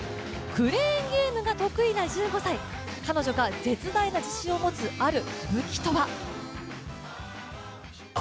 クレーンゲームが得意な１５歳彼女が絶大な自信を持つ、ある武器とは？